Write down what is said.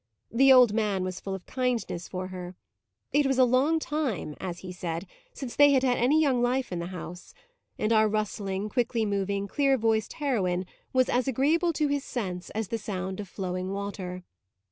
The old man was full of kindness for her; it was a long time, as he said, since they had had any young life in the house; and our rustling, quickly moving, clear voiced heroine was as agreeable to his sense as the sound of flowing water.